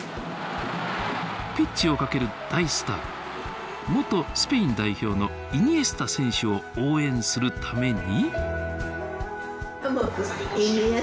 ピッチを駆ける大スター元スペイン代表のイニエスタ選手を応援するために。